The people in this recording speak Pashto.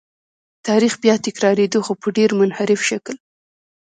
تاریخ بیا تکرارېده خو په ډېر منحرف شکل.